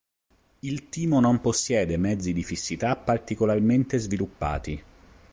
Il timo non possiede mezzi di fissità particolarmente sviluppati.